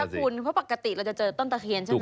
คุณเพราะปกติเราจะเจอต้นตะเคียนใช่ไหม